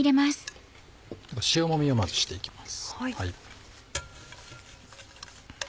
塩もみをまずして行きます。